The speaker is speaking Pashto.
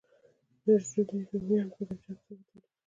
د ژمي رومي بانجان څنګه تولید کړم؟